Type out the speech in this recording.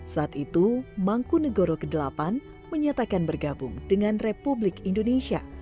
saat itu mangku negoro viii menyatakan bergabung dengan republik indonesia